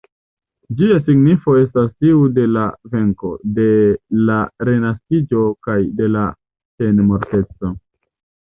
Ĝia signifo estas tiu de la venko, de la renaskiĝo kaj de la senmorteco.